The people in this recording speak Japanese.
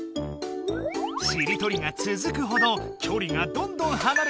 しりとりがつづくほどきょりがどんどんはなれていくぞ。